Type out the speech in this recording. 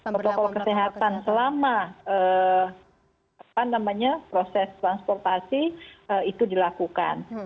pokok pokok kesehatan selama proses transportasi itu dilakukan